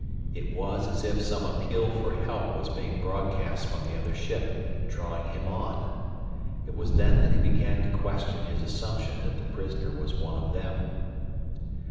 It was as if some appeal for help was being broadcast from the other ship, drawing him on. It was then that he began to question his assumption that the prisoner was one of them.